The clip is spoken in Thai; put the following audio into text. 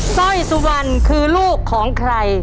สร้อยสุวรรณคือลูกของใคร